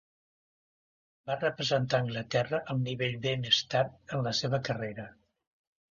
Va representar Anglaterra al nivell "B" més tard en la seva carrera.